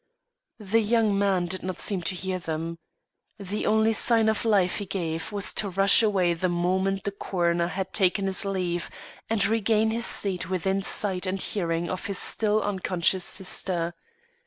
The young man did not seem to hear them. The only sign of life he gave was to rush away the moment the coroner had taken his leave, and regain his seat within sight and hearing of his still unconscious sister.